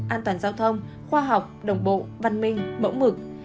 an toàn giao thông khoa học đồng bộ văn minh mẫu mực